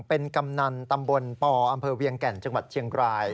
เป็นกำนันตำบลปอเวียงแก่นจฉก